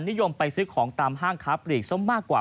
นิยมไปซื้อของตามห้างค้าปลีกส้มมากกว่า